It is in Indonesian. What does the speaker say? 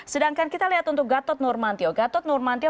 sedangkan kita lihat untuk gator normantio